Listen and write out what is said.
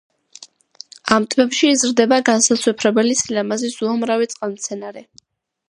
ამ ტბებში იზრდება განსაცვიფრებელი სილამაზის უამრავი წყალმცენარე.